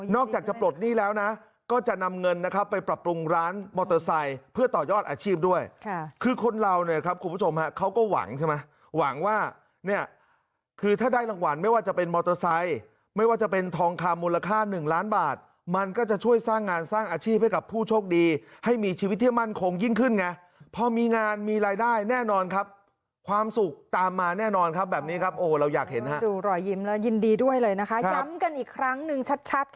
นอกจากจะปลดหนี้แล้วนะก็จะนำเงินนะครับไปปรับปรุงร้านมอเตอร์ไซด์เพื่อต่อยอดอาชีพด้วยค่ะคือคนเราเนี่ยครับคุณผู้ชมฮะเขาก็หวังใช่ไหมหวังว่าเนี่ยคือถ้าได้รางวัลไม่ว่าจะเป็นมอเตอร์ไซด์ไม่ว่าจะเป็นทองคามูลค่าหนึ่งล้านบาทมันก็จะช่วยสร้างงานสร้างอาชีพให้กับผู้โชคดีให้มีชีวิต